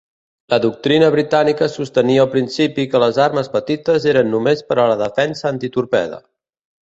La doctrina britànica sostenia al principi que les armes petites eren només per a la defensa antitorpede.